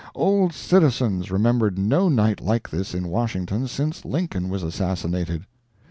Old citizens remembered no night like this in Washington since Lincoln was assassinated.